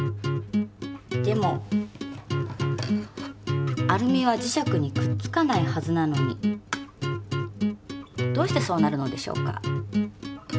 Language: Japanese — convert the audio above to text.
でもアルミは磁石にくっつかないはずなのにどうしてそうなるのでしょうか。